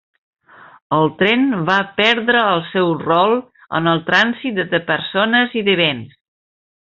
El tren va perdre el seu rol en el trànsit de persones i de béns.